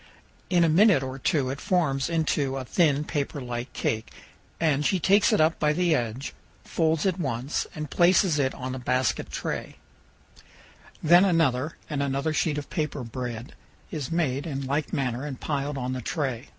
In a minute or two it forms into a thin paperlike cake, and she takes it up by the edge, folds it once, and places it on a basket tray; then another and another sheet of paper bread is made in like manner and piled on the tray.